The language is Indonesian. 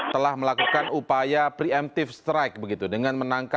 telah melakukan upaya pre emptive strike begitu dengan menangkap ya